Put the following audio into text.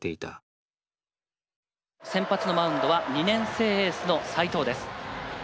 先発のマウンドは２年生エースの斎藤です。